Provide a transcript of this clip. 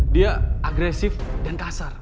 dia agresif dan kasar